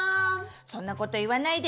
そんなこと言わないで！